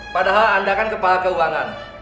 padahal anda kan kepala keuangan